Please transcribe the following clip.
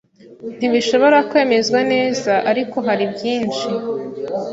ntibishobora kwemezwa neza ariko hari byinshi